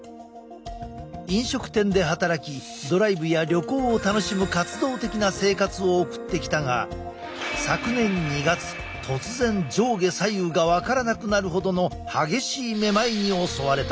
飲食店で働きドライブや旅行を楽しむ活動的な生活を送ってきたが昨年２月突然上下左右が分からなくなるほどの激しいめまいに襲われた。